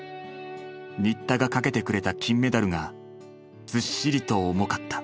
新田がかけてくれた金メダルがずっしりと重かった。